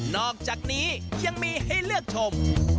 อกจากนี้ยังมีให้เลือกชม